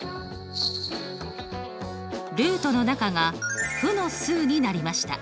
ルートの中が負の数になりました。